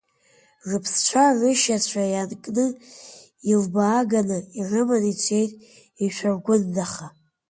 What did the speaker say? Рыԥсцәа рышьацәа ианкны, илбааганы ирыман ицеит ишәаргәындаха.